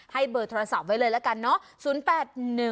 เบอร์โทรศัพท์ไว้เลยละกันเนาะ